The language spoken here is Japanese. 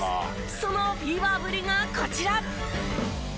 そのフィーバーぶりがこちら。